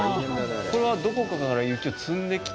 これは、どこかから雪を積んできて。